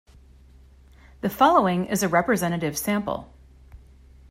The following is a representative sample.